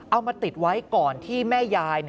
เอามาติดไว้ก่อนที่แม่ยาย